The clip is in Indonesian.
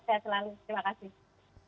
sehat selalu terima kasih